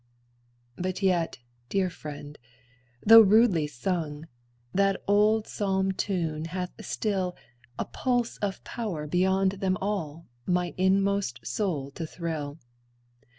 But yet, dear friend, though rudely sung, That old psalm tune hath still A pulse of power beyond them all My inmost soul to thrill.